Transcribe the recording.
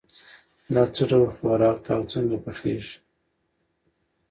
دا څه ډول خوراک ده او څنګه پخیږي